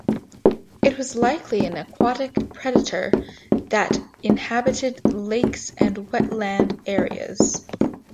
It was likely an aquatic predator that inhabited lakes and wetland areas.